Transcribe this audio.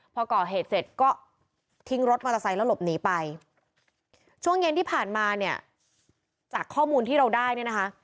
พอก่อเหตุเสร็จก็ทิ้งรถมอเตอร์ไซค์แล้วหลบหนีไปช่วงเย็นที่ผ่านมาเนี่ยจากข้อมูลที่เราได้เนี่ยนะคะ